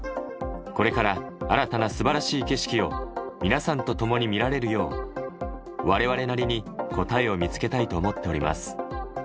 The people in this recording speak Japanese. これから新たなすばらしい景色を、皆さんと共に見られるよう、われわれなりに答えを見つけたいと思っております。